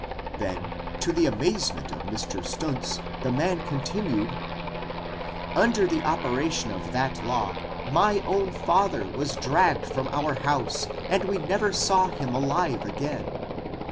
Then, to the amazement of Mr. Stuntz, the man continued: "Under the operation of that law my own father was dragged from our house and we never saw him alive again.